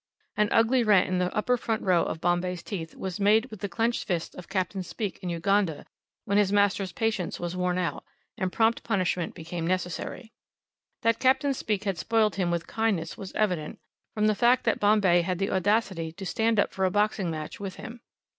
An ugly rent in the upper front row of Bombay's teeth was made with the clenched fist of Capt. Speke in Uganda when his master's patience was worn out, and prompt punishment became necessary. That Capt. Speke had spoiled him with kindness was evident, from the fact that Bombay had the audacity to stand up for a boxing match with him.